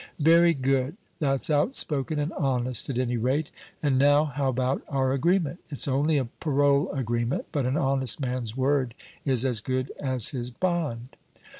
"Very good; that's outspoken and honest, at any rate. And now, how about our agreement? It's only a parole agreement, but an honest man's word is as good as his bond."